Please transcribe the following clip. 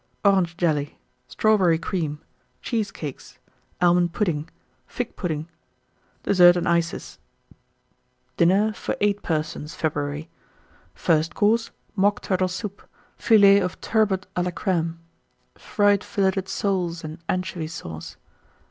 Orange Jelly. Strawberry Cream. Cheesecakes. Almond Pudding. Fig Pudding. DESSERT AND ICES. 1912. DINNER FOR 8 PERSONS (February). FIRST COURSE. Mock Turtle Soup. Fillets of Turbot a la Crême. Fried Filleted Soles and Anchovy Sauce.